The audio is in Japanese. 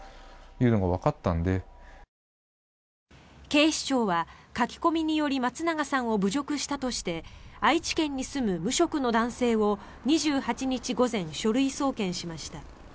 警視庁は、書き込みにより松永さんを侮辱したとして愛知県に住む無職の男性を２８日午前、書類送検しました。